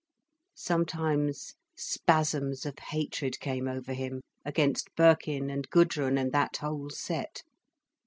Sometimes spasms of hatred came over him, against Birkin and Gudrun and that whole set.